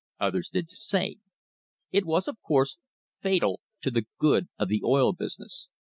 Others did the same. It was, of course, fatal to the "good of the oil business."